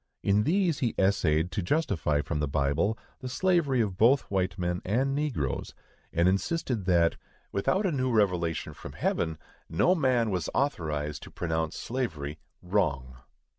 In these he essayed to justify from the Bible the slavery both of white men and negroes, and insisted that "without a new revelation from heaven, no man was authorized to pronounce slavery WRONG."